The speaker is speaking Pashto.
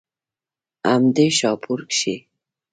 هم دې شاهپور کښې